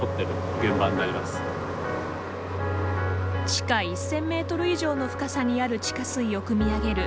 地下１０００メートル以上の深さにある地下水をくみ上げる